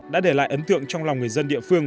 đã để lại ấn tượng trong lòng người dân địa phương